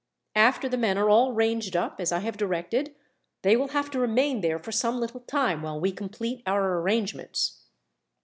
After the men are all ranged up as I have directed, they will have to remain there for some little time, while we complete our arrangements."